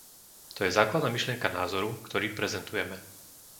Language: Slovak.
To je základná myšlienka názoru, ktorý prezentujeme.